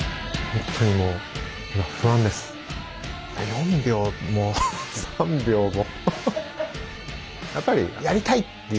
４秒も３秒も。